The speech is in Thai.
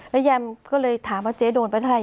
แล้วแยมก็เลยถามว่าเจ๊โดนไปเท่าไห